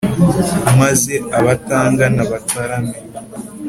Maze abatangana batarame